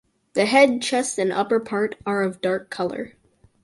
The head, chest and upper part are of dark color.